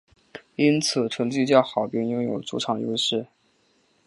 因此成绩较好便拥有主场优势。